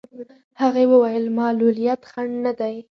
هغې وویل معلولیت خنډ نه دی.